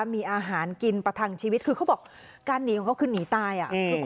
มีอาหารกินประทังชีวิตคือเขาบอกการหนีของเขาคือหนีตายอ่ะ